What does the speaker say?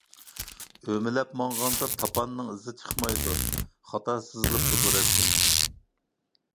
ئۆمىلەپ ماڭغاندا تاپاننىڭ ئىزى چىقمايدۇ. خاتا سىزىلىپتۇ بۇ رەسىم.